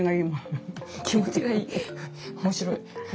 面白い。